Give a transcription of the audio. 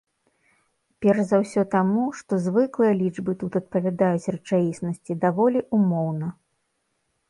Перш за ўсё таму, што звыклыя лічбы тут адпавядаюць рэчаіснасці даволі ўмоўна.